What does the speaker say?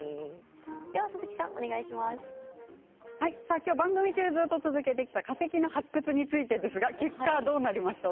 今日、番組中ずっと続けてきた化石の発掘についてですが結果はどうなりましたか。